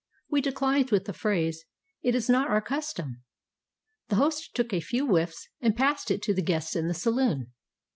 We declined with the phrase, " It is not our cus tom." The host took a few whiffs and passed it to the guests in the saloon.